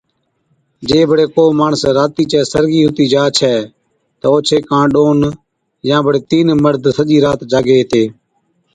جي بڙي ڪو ماڻس راتِي چَي سرگِي ھُتِي جا ڇَي تہ اوڇي ڪاڻ ڏون يا بڙي تِين مرد سجِي رات جاڳي ھِتي